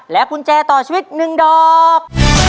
กุญแจต่อชีวิต๑ดอก